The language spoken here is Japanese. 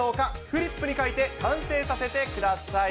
フリップに書いて、完成させてください。